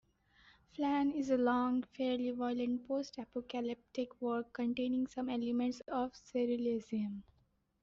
"Flan" is a long, fairly violent post-apocalyptic work containing some elements of surrealism.